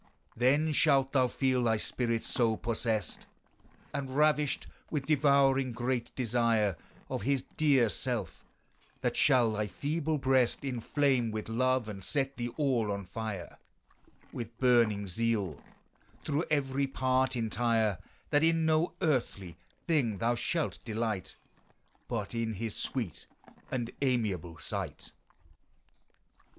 Then shalt thou feele thy spirit so possest, And ravisht with devouring great desire Of his deare selfe, that shall thy feeble brest Inflame with love, and set thee all on fire With burning zeale, through every part entire, That in no earthly thing thou shalt delight, But in his sweet and amiable sight.